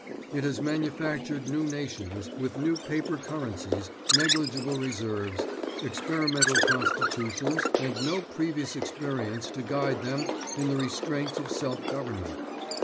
It has manufactured new nations, with new paper currencies, negligible reserves, experimental constitutions and no previous experience to guide them in the restraints of self government.